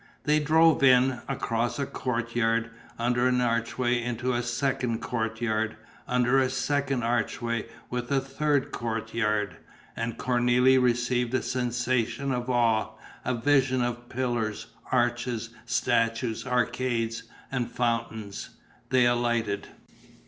They drove in, across a courtyard, under an archway into a second courtyard, under a second archway with a third courtyard. And Cornélie received a sensation of awe, a vision of pillars, arches, statues, arcades and fountains. They alighted.